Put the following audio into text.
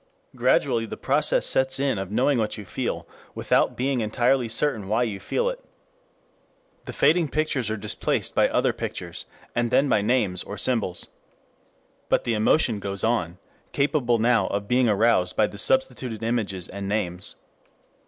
Gradually the process sets in of knowing what you feel without being entirely certain why you feel it. The fading pictures are displaced by other pictures, and then by names or symbols. But the emotion goes on, capable now of being aroused by the substituted images and names.